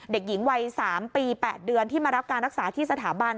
เด็กหญิงวัย๓ปี๘เดือนที่มารับการรักษาที่สถาบัน